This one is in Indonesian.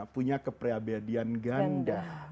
punya kepreabadian ganda